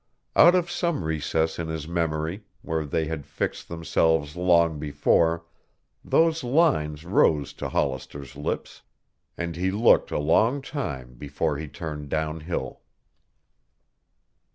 Out of some recess in his memory, where they had fixed themselves long before, those lines rose to Hollister's lips. And he looked a long time before he turned downhill.